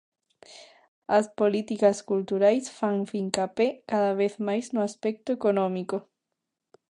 As políticas culturais fan fincapé cada vez máis no aspecto económico.